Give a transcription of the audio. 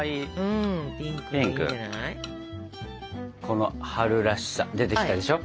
この春らしさ出てきたでしょ？